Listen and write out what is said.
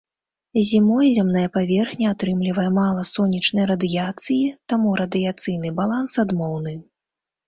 Зімой зямная паверхня атрымлівае мала сонечнай радыяцыі, таму радыяцыйны баланс адмоўны.